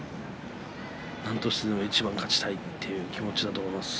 なんとしてでも一番、勝ちたいという気持ちだと思います。